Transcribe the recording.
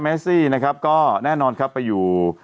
เซซี่นะครับก็แน่นอนครับไปอยู่